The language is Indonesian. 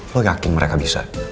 lo yakin mereka bisa